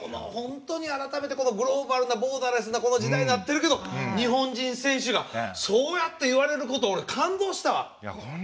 グローバルな、ボーダレスな時代になってるけど日本人選手が、そうやって言われること俺、感動したわ！